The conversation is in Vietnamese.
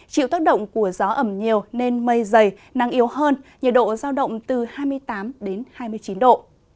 chịu tác động của gió ẩm nhiều nên mây dày nắng yếu hơn nhiệt độ giao động từ hai mươi tám đến hai mươi chín độ